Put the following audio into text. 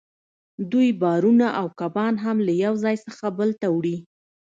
دوی بارونه او کبان هم له یو ځای څخه بل ته وړي